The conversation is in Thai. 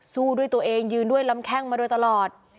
สู้ด้วยตัวเองยืนด้วยลำแข้งมาโดยตลอด